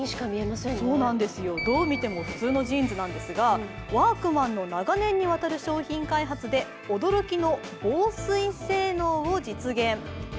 どう見ても普通のジーンズなんですが、ワークマンの長年にわたる商品開発で驚きの防水性能を実現。